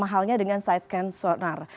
halnya dengan side scan sonar